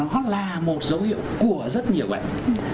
nó là một dấu hiệu của rất nhiều bệnh